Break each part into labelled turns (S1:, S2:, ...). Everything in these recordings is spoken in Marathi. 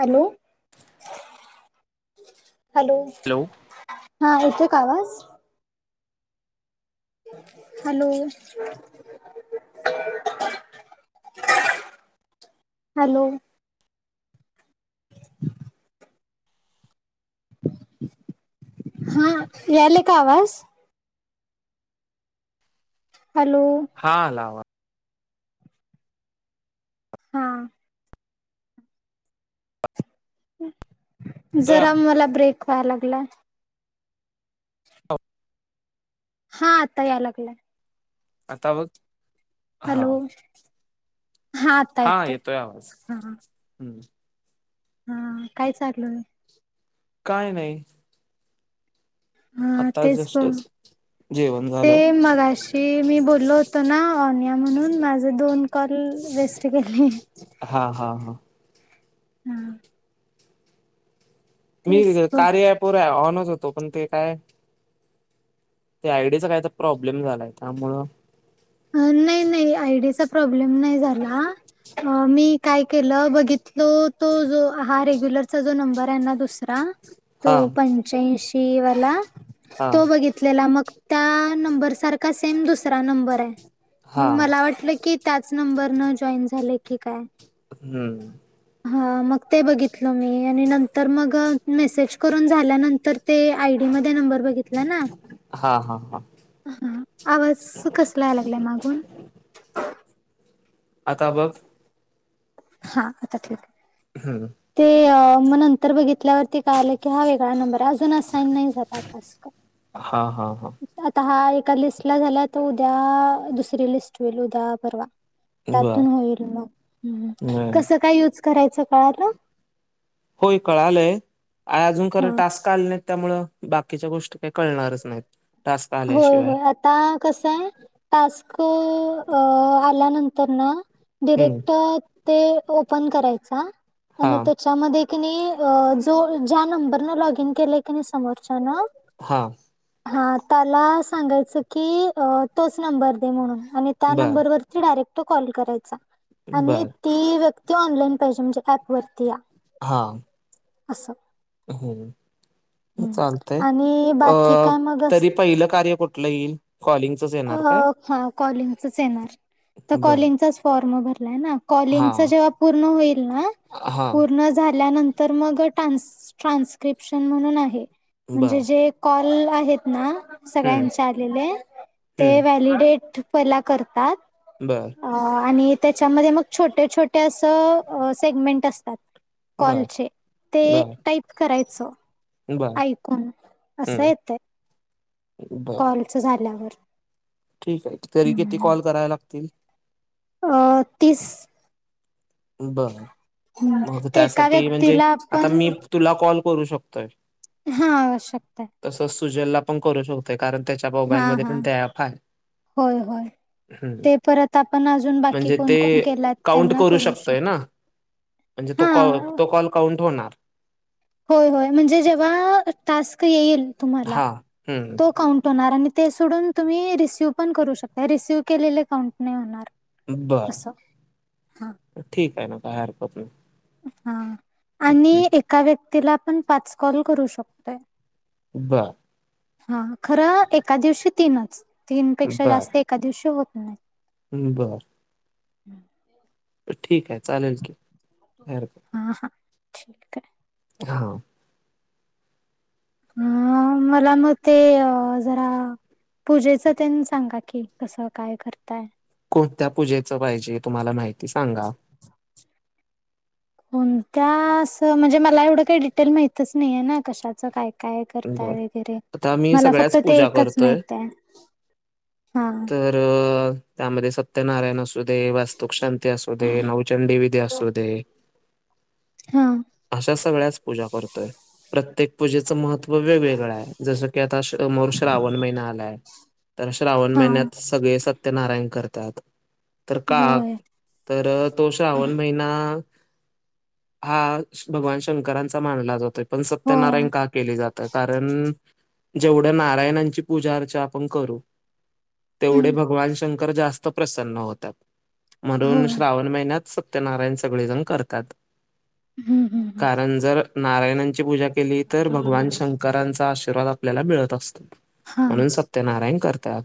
S1: हॅलो हॅलो
S2: हॅलो
S1: हा येतोय का आवाज? हॅलो...... हॅलो [inaudible] हा यायले का आवाज? हॅलो
S2: हा आला आवा
S1: हा
S2: येतोय
S1: जरा
S2: आवाज
S1: मला ब्रेक व्हाय लागलाय.
S2: [inaudible]
S1: हा आता याय लागलाय.
S2: आता बघ हा,
S1: हॅलो
S2: हा येतोय आवाज,
S1: हा
S2: हम्म
S1: हा काय चाललं?
S2: काय नाही.
S1: हा
S2: आता
S1: तेच बघ
S2: जस्टच जेवण झा
S1: ते मगाशी मी बोललो होतो ना ओनिया म्हणून, माझ दोन कॉल वेस् स्ट गेले.
S2: हा हा हा
S1: हा तेच
S2: मी
S1: बघ
S2: कार्या ॲप वर ऑनच होतो, पण ते काय ते आयडीचा काय तर प्रॉब्लेम झालाय. त्यामुळं
S1: अ नाय नाय आयडीचा प्रॉब्लेम नाय झाला. अ मी काय केलं, बघितलो तो जो हा रेग्युलरचा जो नंबर हाय ना दुस रा तो
S2: हा
S1: पंच्याऐशी वाला
S2: हा
S1: तो बघित घिलेला मग त्या नंबर सारखा सेम दुसरा नंबर आय
S2: हा
S1: मंग मला वाटलं की, त्याच नंबर न जॉईन झालंय की काय
S2: हम्म
S1: हा मग ते बघितल मी आणि नंतर मग मेसेज करून झाल्यानंतर ते आयडी मध्ये नंबर बघितला ना
S2: हा हा हा
S1: हा आवाज कसला यायला लागलाय मागून
S2: आता बघ
S1: हा आता ठीकये
S2: हम्म
S1: ते म नंतर बघितल्यावरती कळालं की हा वेगळा नंबर हाय अजून असाईन नाही झाला टास्क
S2: हा हा हा
S1: आता हा एका लिस्टला झाला. आता उद्या दुसरी लिस्ट होईल उद्या, परवा
S2: बर
S1: त्यातून होईल म हूं
S2: बर
S1: कसं काय युज करायचं कळाल
S2: होय कळालंय आय अजून
S1: हा
S2: खरं टास्क आले नाहीत. त्यामुळ बाकीच्या गोष्टी काय कळणारच नायत.
S1: होय होय आता कसय टास्क आल्यानंतर ना
S2: हम्म
S1: डिरेक्ट ते ओपन करायचा
S2: हा
S1: आणि त्याच च्यामध्ये की नाय अ जो ज्या नंबर न लॉगईन केलंय की नाय समोरच्यान
S2: हा
S1: हा त्याला सांगायच की, अ तोच नंबर दे म्हणून आणि त्या
S2: बर
S1: नंबरवरती डायरेक्ट कॉल करायचा आणि
S2: बर
S1: ती व्यक्ती ऑनलाईन पाहिजे. म्हणजे ऍप वरती या
S2: हां
S1: असं.
S2: हो.
S1: हम्म.
S2: चालतय,
S1: आणि
S2: अ
S1: बाकी काय मग अस
S2: तरी पहिलं कार्य कुठलं येईल? कॉलिंगचच.
S1: अ,
S2: येणार काय
S1: हा कॉलिंगचच येणार, तर
S2: बर
S1: कॉलिंगचाच फॉर्म भरलाय ना. कॉलिंग
S2: हा
S1: जेव्हा पूर्ण होईल ना,
S2: हा
S1: पूर्ण झाल्यानंतर तर मग ट, ट्रान्स्क्रिप्शन म्हणून आहे. म्हणजे
S2: बर
S1: जे कॉल आहेत ना,
S2: हम्म
S1: सगळ्यांचे आलेले. ते
S2: हम्म
S1: व्हॅलिडेट पहिला करतात.
S2: बरं.
S1: अ, आणि त्याच्यामध्ये मग छोट्या, छोटे असं सेगमेंट असतात.
S2: बर
S1: कॉलचे, ते
S2: बर
S1: टाईप करायचं.
S2: बर
S1: ऐकून, असं
S2: हम्म
S1: येतय,
S2: बर
S1: कॉलच झाल्यावर.
S2: ठीक हाय, तरी किती
S1: हम्म
S2: कॉल करावे लागतील?
S1: अ, तीस.
S2: बरं, मग
S1: एका
S2: त्यासाठी म्हणजे,
S1: व्यक्तीला
S2: आता
S1: आपण
S2: मी तुला कॉल करू शकतोय?
S1: हा, शकताय.
S2: तसच सुजलला पण करू शकतोय, कारण त्याच्या
S1: हा
S2: मोबाईलमध्ये
S1: हा
S2: पण ते ॲप हाय.
S1: होय, होय ते परत आपण अजून बाकी
S2: म्हणजे
S1: कोण
S2: ते
S1: -कोण केल्यात
S2: काउंट
S1: त्यांना करू
S2: शकतोय
S1: शकतो.
S2: ना. म्हणजे
S1: हा
S2: तो, तो कॉल काउंट होणार.
S1: होय, होय म्हणजे जेव्हा टास्क येईल तुम्हाला,
S2: हां, हं.
S1: तो काउंट होणार आणि ते सोडून तुम्ही रिसीव्ह पण करू शकताय, रिसीव्ह केलेले काउंट नाहीत होणार. असं हा
S2: बर ठीक आहे ना, काय हरकत नाही.
S1: हा,
S2: हं.
S1: आणि एका व्यक्तीला आपण पाच कॉल करू शकतोय.
S2: बर.
S1: हा, खरं एका दिवशी तीनच, तीन पेक्षा जास्त
S2: बरं,
S1: एका दिवशी होत नाही.
S2: बरं. ठीक हाय चालेल की, नाय हरकत.
S1: हा, ह. [unintelligible]
S2: हा.
S1: अ, मला मग ते अ जरा पूजेच तेन सांगा की, कसं काय करताय?
S2: कोणत्या पूजेचं पाहिजे, तुम्हाला माहिती सांगा?
S1: कोणत्या असं म्हणजे, मला एवढं काय डिटेल माहितच नाही हेना कशाच काय काय करता
S2: बरं.
S1: वैगेरे,
S2: आता मी
S1: मला फक्त
S2: सगळ्याच
S1: ते
S2: पूजा
S1: एकच
S2: करतोय.
S1: माहित हाय, हा, हा
S2: तर अ, त्यामध्ये सत्यनारायण असु दे, वास्तुक शांती असू दे, नवचंडी विधी असू दे.
S1: हा.
S2: अशा सगळ्याच पूजा करतोय, प्रत्येक पूजेचं महत्त्व वेगवेगळ हाय, जसं की आता समोर श्रावण महिना आलाय. तर श्रावण
S1: हा
S2: महिन्यात सगळे सत्यनारायण करतात. तर का?
S1: होय
S2: तर तो श्रावण महिना हा भगवान शंकरांचा मानला जातोय, पण
S1: होय
S2: सत्यनारायण का केले जाते. कारण, जेवढ्या नारायणांची पूजा अर्चा आपण करू. तेवढे
S1: हम्म
S2: भगवान शंकर जास्त प्रसन्न होतात, म्हणून
S1: होय
S2: श्रावण महिन्यात सत्यनारायण सगळे जण करतात.
S1: हम्म हम्म हम्म.
S2: कारण जर नारायणांची पूजा केली तर भगवान शंकरांचा आशीर्वाद आपल्याला मिळत असतो
S1: हा
S2: म्हणून सत्यनारायण करतात.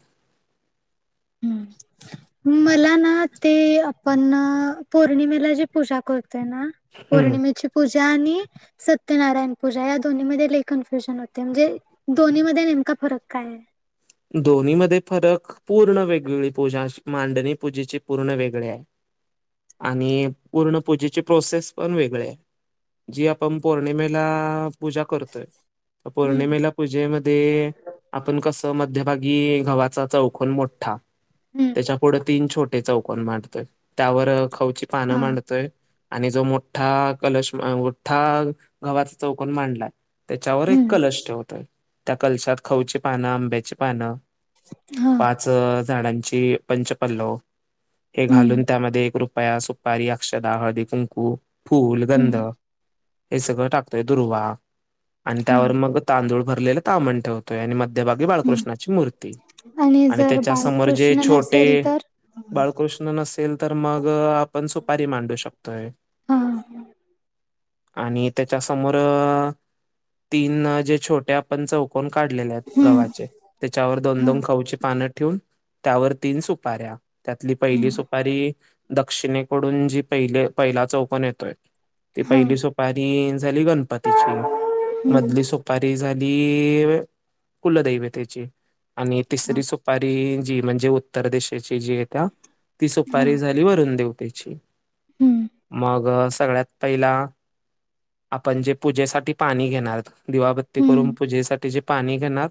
S1: हम्म. मला ना ते आपण पौर्णिमेला जी पूजा करतोय ना.
S2: हम्म
S1: पौर्णिमेची पूजा आणि सत्यनारायण पूजा या दोन्ही मध्ये लय कन्फ्युजन होते, म्हणजे दोन्ही मध्ये नेमका फरक काय आहे?
S2: दोन्ही मध्ये फरक पूर्ण वेगळी पूजा अशी, मांडणी पूजेची पूर्ण वेगळे आहे. आणि पूर्ण पूजेची प्रोसेस पण वेगळी आहे. जी आपण पौर्णिमेला पूजा करतोय,
S1: हम्म
S2: पौर्णिमेला पूजेमध्ये आपण कसं मध्यभागी गव्हाचा चौकोन मोठ्ठा
S1: हम्म
S2: त्याच्या पुढं तीन छोटे चौकन मांडतोय, त्यावर खाऊची पानं
S1: हा
S2: मांडतोय आणि जो मोठ्ठा कलश, मोठ्ठा गव्हाचा चौकन मांडलाय त्याच्यावर एक
S1: हम्म
S2: कलश ठेवतोय, त्या कलशात खऊची पानं, आंब्याची पानं
S1: हा.
S2: पाच झाडांची पंच पल्लव हे
S1: हम्म
S2: घालून त्यामध्ये एक रुपया सु -पारी अक्षदा, हळदी, कुंकू, फुल, गंध
S1: हम्म
S2: हे सगळं टाकतंय दुर्वा आणि
S1: हा
S2: त्यावर मग तांदूळ भरलेलं तामण ठेव तोय आणि मध्यभागी
S1: हम्म
S2: बाळकृष्णाची मूर्ती आणि
S1: जर
S2: त्याच्या समोर जे
S1: बाळकृष्ण
S2: छोटे
S1: नसेल तर
S2: बाळकृष्ण नसेल तर मग आपण सुपारी मांडू शकतोय.
S1: हा
S2: आणि त्याच्या समोर तीन जे छोट्या पण चौकून काढलेल्या आहेत
S1: हम्म
S2: गव्हाचे त्याच्यावर दोन
S1: हा
S2: -दोन खाऊचे पानं ठेऊन त्यावर तीन सुपऱ्या त्यातली पहिली
S1: हम्म
S2: सुपारी दक्षिणेकडून जी पहिले पहिला चौकण येतोय, ती
S1: हा
S2: पहिली सु पारी झाली गणपतीची
S1: हम्म
S2: मधली सु पारी झाली कुलदेवे तेची आणि
S1: हा
S2: तिसरी सुपारी जी म्हणजे उत्तर दिशाची जी येत्या ती
S1: हा
S2: सुपारी झाली वरुणदेवतेची.
S1: हम्म
S2: मग सगळ्यात पहिला आपण जे पूजेसाठी पाणी घेणार, दिवाबत्ती करून
S1: हम्म
S2: पूजेसाठी जे पाणी घेणार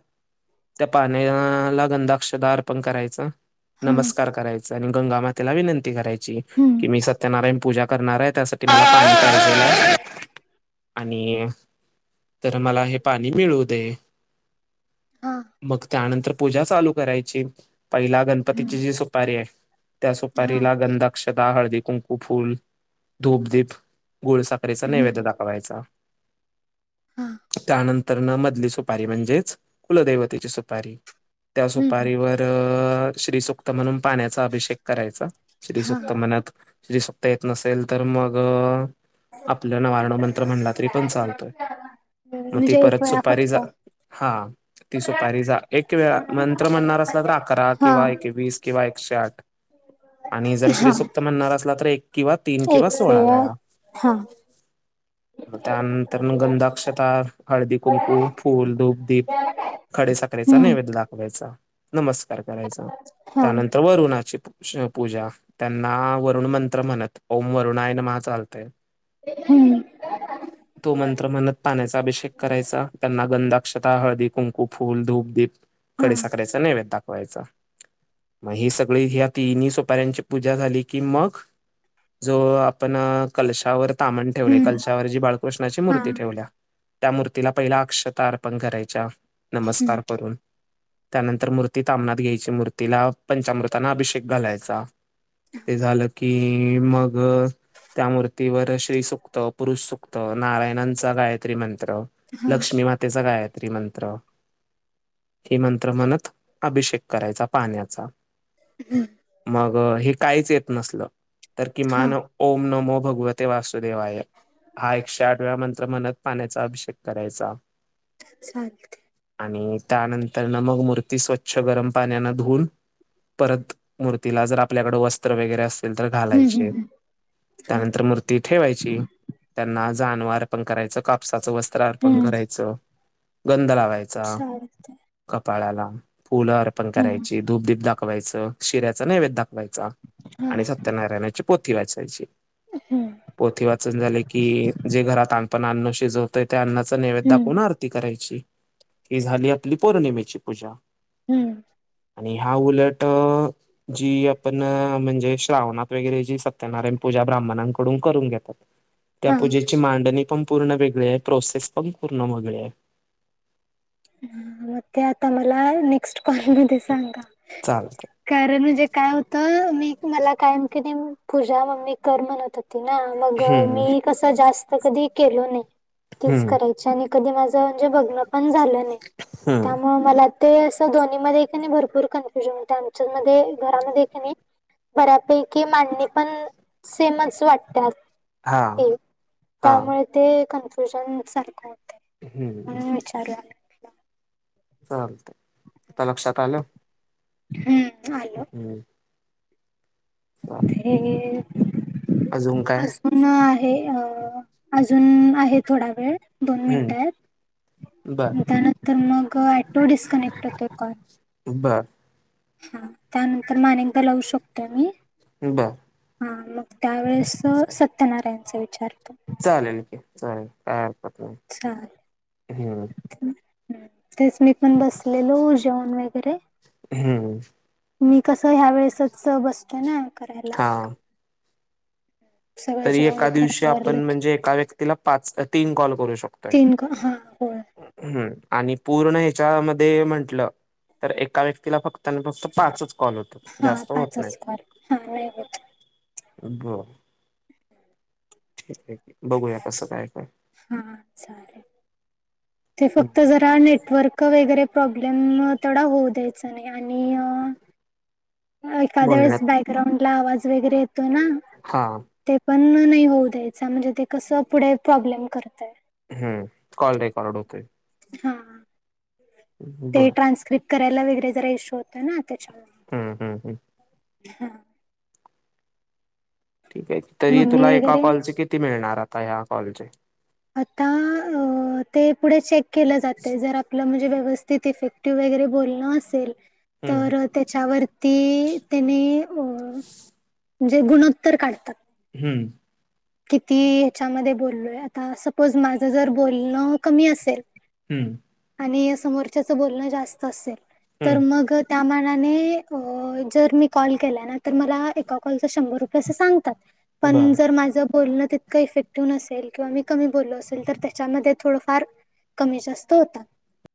S2: त्या पाण्याला गंधाअक्षता अर्पण करायचं
S1: हा
S2: नमस्कार करायचं. आणि गंगा मातेला विनंती करायची
S1: हम्म
S2: की मी सत्यनारायण पूजा करणार आहे. त्यासाठी मला पाणी पाहिजेलाय आणि तर मला हे पाणी मिळू दे.
S1: हां.
S2: मग त्यानंतर पूजा चालू करायची, पहिला
S1: हम्म
S2: गणपतीची जी सुपारी आहे त्या
S1: हा
S2: सुपारीला गंध, अक्षदा, हळदी, कुंकू, फुल धूपदीप, गुळसाख रेचा नैवेद
S1: हम्म
S2: दाखवायचा.
S1: हा.
S2: त्या नंतर मधली सुपारी, म्हणजेच कुलदेवतेची सुपारी त्या
S1: हम्म
S2: सुपारीवर तर श्रीसुक्त म्हणून पाण्याचा अभिषेक करायचा,
S1: हा
S2: श्रीसुक्त म्हणत श्रीसुक्ता येत नसेल तर मग आपल्या नवारण मंत्र म्हणला तरी पण चालतोय. मग ती
S1: म्हणजे एक
S2: परत
S1: वेळा
S2: सुपारी
S1: फक्त
S2: हा, ती सुपारी जा एक वेळा मंत्र म्हणणार असला तर अकरा
S1: हा
S2: किंवा एकवीस किंवा एकशे आठ आणि जर
S1: हा
S2: श्रीसुक्त म्हणणार असला तर एक किंवा तीन किंवा सोळा वेळा
S1: हा
S2: त्यानंतर मग, गंध‌अक्षता, हळदी, कुंकू, फूल, धूप दीप खडीसाखरेचा
S1: हम्म
S2: नेवेद्य दाखवायचा. नमस्कार करायचा.
S1: हा
S2: त्यानंतर वरुणाची पू श पूजा त्यांना वरुण मंत्र म्हणत, ओम वरुणाय नमः चालतय.
S1: हम्म
S2: तो मंत्र मणत पाण्याचा अभिषेक करायचा. त्यांना गंधाक्षता हळदी कुं फूल, धूप, दीप,
S1: हा
S2: खडी साखऱ्याचा नैवद दाखवायचा. मग ही सगळी ह्या तिन्ही सुपाऱ्यांची पूजा झाली की मग जो आपण कलशावर तामन ठेवले.
S1: हम्म
S2: कलशावर जी बाळकृष्णाची
S1: हा
S2: मूर्ती ठेवल्या. त्या मूर्तीला पहिला अक्षता अर्पण करायच्या
S1: हम्म
S2: नमस्कार करून. त्यानंतर मूर्ती तामनात घ्यायची. मूर्तीला पंचामृतांन अभिषेक घालायचा. ते झाल की मग त्या मूर्तीवर श्री सुक्त, पुरुष सुक्त, नारायणांचा गायत्री मंत्र
S1: हा
S2: लक्ष्मी मातेचा गायत्री मंत्र हे मंत्र म्हणत अभिषेक करायचा पाण्याचा.
S1: हम्म
S2: मग हे काहीच येत नसल, तर
S1: हा
S2: किमान ओम नमो भगवत ते वासुदेवाय. हा एकशे आठवेळा मंत्र म्हणत पाण्याचा अभिषेक करायचा.
S1: [unintelligible]
S2: आणि त्यानंतरन मग मूर्ती स्वच्छ गरम पाण्यान धुवून परत, मूर्तीला जर आपल्याकड वस्त्र वगैरे असेल तर
S1: हम्म हम्म
S2: घालायचे.
S1: हम्म
S2: त्यानंतर मूर्ती ठेवायची त्यांना जानव अर्पण करायच. कापसाच वस्त्र अर्पण
S1: हम्म
S2: करायच. गंध लावायचा.
S1: चालते
S2: कपाळाला, फुल अर्पण
S1: हम्म
S2: करायची. धूपदीप दाखवायच. शिऱ्याचा नैवद दाख वायचा.
S1: हा
S2: आणि सत्यनारायणाची पोथी वाचायची.
S1: हम्म
S2: पोथी वाचून झाले की, जे घरात आपण अन्न शिजवतोय त्या अन्नाच नैवेद दाखवून
S1: हम्म
S2: आर आरती करायची. ही झाली आपली पौर्णिमेची पूजा.
S1: हम्म
S2: आणि ह्या उलट जी आपण म्हणजे, श्रावणात वगैरे जी सत्यनारायण पूजा ब्राह्मणांकडून करून घेतात. त्या
S1: हा
S2: पूजेची मांडणी पण पूर्ण वेगळी आहे. प्रोसेस पण पूर्ण वेगळे आहे.
S1: हम्म, मग ते आता मला नेक्स्ट कॉल मधे सांगा.
S2: चालत.
S1: कारण म्हणजे काय होत, मी मला कायम कनी पूजा मम्मी कर म्हणत होती. मग
S2: हम्म
S1: मी कस, जास्त कधी केलो नाही. तीच
S2: हम्म
S1: करायची. त्याच्याने कधी माझ म्हणजे बघण पण झाल नाही.
S2: हम्म
S1: त्यामुळे मला ते अस दोन्हीमध्ये क नाही, भरपूर कन्फ्युजन होते. आमच्यामध्ये घरामध्ये की नाही बऱ्यापैकी मांडणी पण सेमच वाटतात.
S2: हा
S1: ते
S2: हा
S1: त्यामुळे ते कन्फ्युजन सारखं होतय
S2: हम्म
S1: म्हणून चालन.
S2: चालतं. आता लक्षात आलं.
S1: हम्म, आल.
S2: हम्म चाल
S1: [unintelligible]
S2: अजून काय?
S1: पुन्हा आहे. अ अजून आहे थोडा वेळ. दोन
S2: हम्म
S1: मिनिटं आहेत.
S2: बर
S1: त्यानंतर मग ॲटो डिस्कनेक्ट होतो कॉल.
S2: बर.
S1: हा त्यानंतर मा अनेकदा लावू शकतोय मी.
S2: बर.
S1: हा मग त्यावेेळेस सत्यनारायणचा विचारतो.
S2: चालेल की, चालेल काही अड
S1: चाल [unintelligible] तेच मी पण बसलेलो जेवूण वगैरे.
S2: हम्म
S1: मी कसं ह्या वेळेसच बसते ना करायला.
S2: हा
S1: सगळं
S2: तरी
S1: जेवण
S2: एका
S1: तेन
S2: दिवशी
S1: आवरलं
S2: आपण
S1: की
S2: म्हणजे एका व्यक्तीला पाच तीन कॉल करू शकतो.
S1: तीन कॉ ह होय.
S2: हम्म, आणि पूर्ण ह्याच्यामध्ये म्हटलं तर एका व्यक्तीला फक्तन फक्त पाचच कॉल होत. होतात
S1: हा
S2: जास्त नाहीत.
S1: पाचच कॉल हा नाही होत.
S2: बर ठिक आहे कि, बघूया कसं काय तर
S1: हा चालेल, ते
S2: हं,
S1: फक्त जर नेटवर्क वगैरे प्रॉब्लेम थोडा होऊ द्यायचा नाही. आणि एखाद्या वेळेस
S2: बोलण्यात
S1: बॅकग्राउंड ला आवाज वगैरे येतो ना,
S2: हा,
S1: ते पण नाही होऊ द्यायचा. म्हणजे ते कसं पुढे प्रॉब्लेम करतंय.
S2: हम्म, कॉल रेकॉर्ड होते.
S1: हा, ते
S2: बर
S1: ट्रान्स्क्रिप्ट करायला वगैरे जरा इश्यू होत ना, त्याच्यामुळ.
S2: हम्म हम्म हम्,
S1: हा,
S2: ठीक आहे. तरी
S1: मम्मी
S2: तुला एका
S1: वगैरे
S2: कॉलचे किती मिळणार आता ह्या कॉलचे.
S1: आता अ ते पुढे चेक केलं जाते. जर आपलं म्हणजे व्यवस्थित इफेक्ट क्टिव वगैरे बोलणं असेल.
S2: हम्म
S1: तर त्याच्यावरती त्यानी अ म्हणजे गुणोत्तर काढतात.
S2: हम्म,
S1: किती ह्याच्यामध्ये बोललोय. आता सपोज माझं जर बोलणं कमी असेल.
S2: हम्म,
S1: आणि समोरच्याच बोलणं जास्त असेल. तर
S2: हम्म
S1: मग त्यामानाने जर मी कॉल केला ना, तर मला एका कॉलचा शंभर रुपये असं सांगतात.
S2: बर
S1: पण जर माझं बोलणं तितकं इफेक्टिव्ह नसेल किंवा मी कमी बोलो असेल तर त्याच्यामध्ये थोडंफार कमी जास्त होतात.